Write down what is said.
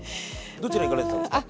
どちら行かれてたんですか？